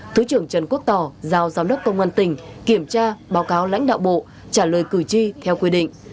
thứ trưởng trần quốc tỏ giao giám đốc công an tỉnh kiểm tra báo cáo lãnh đạo bộ trả lời cử tri theo quy định